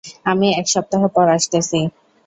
আমি এক সপ্তাহ পর আসতেছি।